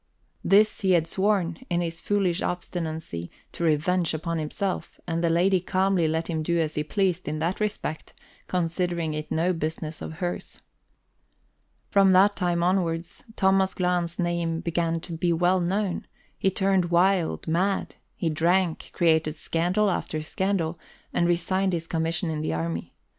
This he had sworn, in his foolish obstinacy, to revenge upon himself, and the lady calmly let him do as he pleased in that respect, considering it no business of hers. From that time onwards, Thomas Glahn's name began to be well known; he turned wild, mad; he drank, created scandal after scandal, and resigned his commission in the army.